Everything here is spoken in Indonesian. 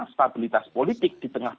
stabilitas politik di tengah